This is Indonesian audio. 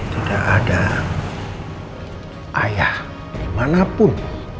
kita akan berjalan